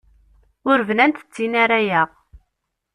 Ur bnant d tin ara yaɣ.